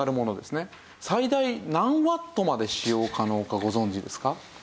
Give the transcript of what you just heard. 最大何ワットまで使用可能かご存じですか？